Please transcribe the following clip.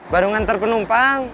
baru ngantar penumpang